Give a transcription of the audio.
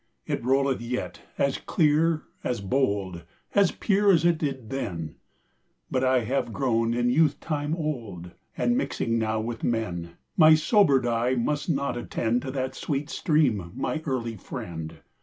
It rolleth yet, as clear, as bold, As pure as it did then; But I have grown in youth time old, And, mixing now with men, My sobered eye must not attendTo that sweet stream, my early friend!